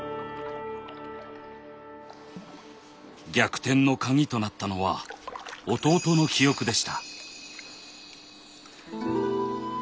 「逆転」の鍵となったのは弟の記憶でした。